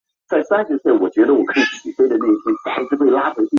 缅因号潜艇的母港为华盛顿州的基察普海军基地。